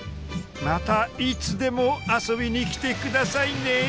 またいつでも遊びに来て下さいね。